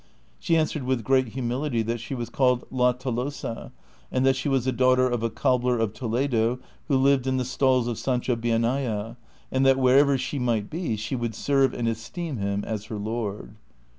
She answered with great luimility that slie was called La Tolosa, and that she was a daughter of a cobbler of Toledo who lived in the stalls of Sanchobienaya,' and that wherever she might be she would serve and esteem him as her lord.